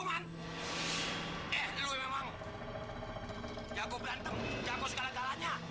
oh ya sebenarnya kalau menarik keadaan